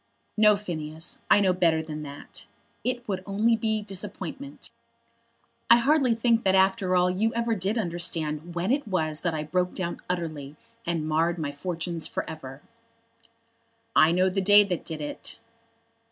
"No, Phineas. I know better than that. It would only be disappointment. I hardly think that after all you ever did understand when it was that I broke down utterly and marred my fortunes for ever." "I know the day that did it."